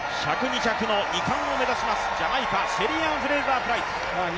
１００、２００の２冠を目指します、ジャマイカ、シェリーアン・フレイザー・プライス。